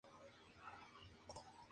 Está basada en la vida de Lady Tabares.